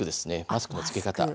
マスクの着け方。